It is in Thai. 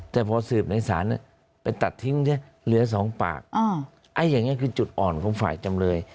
แต่พอสืบในศาลไปตัดทิ้งสิเหลือสองปากอย่างนี้คือจุดอ่อนของฝ่ายจำเลย